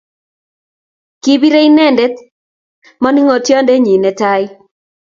Kibirei inendet maningotiondenyii netai